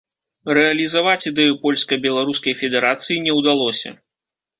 Рэалізаваць ідэю польска-беларускай федэрацыі не ўдалося.